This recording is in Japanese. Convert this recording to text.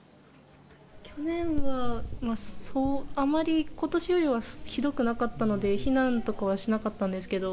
去年は、あまりことしよりはひどくなかったので、避難とかはしなかったんですけど。